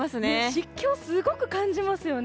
湿気をすごく感じますね。